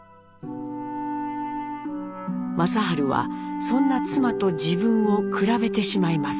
正治はそんな妻と自分を比べてしまいます。